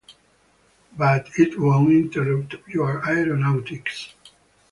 But it won’t interrupt your aeronautics.